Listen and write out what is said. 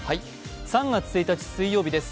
３月１日水曜日です。